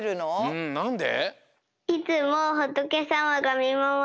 うんなんで？